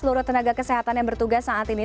seluruh tenaga kesehatan yang bertugas saat ini